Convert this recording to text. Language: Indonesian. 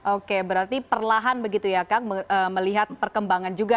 oke berarti perlahan begitu ya kang melihat perkembangan juga